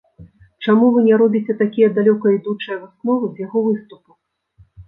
Чаму вы не робіце такія далёкаідучыя высновы з яго выступу?